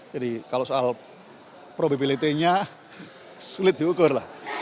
jadi kalau soal probabilitenya sulit diukur lah